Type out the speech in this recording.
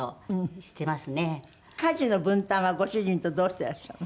家事の分担はご主人とどうしていらっしゃるの？